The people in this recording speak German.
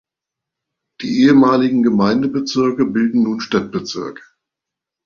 Die ehemaligen Gemeindebezirke bilden nun Stadtbezirke.